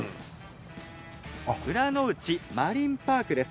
浦ノ内マリンパークです。